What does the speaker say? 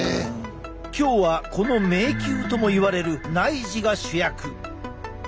今日はこの迷宮ともいわれる内耳が主役！